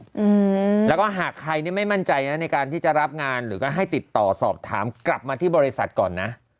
อืมแล้วก็หากใครเนี้ยไม่มั่นใจนะในการที่จะรับงานหรือก็ให้ติดต่อสอบถามกลับมาที่บริษัทก่อนนะ